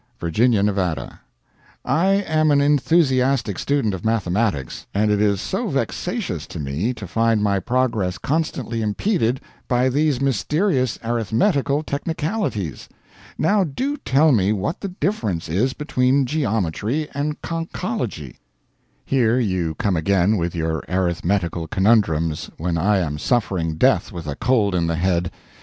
Virginia, Nevada. "I am an enthusiastic student of mathematics, and it is so vexatious to me to find my progress constantly impeded by these mysterious arithmetical technicalities. Now do tell me what the difference is between geometry and conchology?" Here you come again with your arithmetical conundrums, when I am suffering death with a cold in the head.